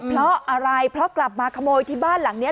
เพราะอะไรเพราะกลับมาขโมยที่บ้านหลังนี้